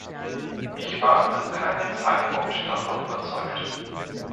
Ich war zu keinem Zeitpunkt davon überzeugt.